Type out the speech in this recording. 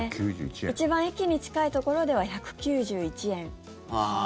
一番駅に近いところでは１９１円。